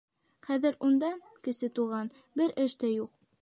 Хәҙер унда, Кесе Туған, бер эш тә юҡ.